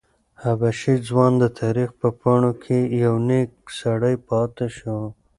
حبشي ځوان د تاریخ په پاڼو کې یو نېک سړی پاتې شو.